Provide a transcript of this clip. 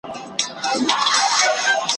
ما سره هم د سپينو اوښکـو ملغلــرې شته دي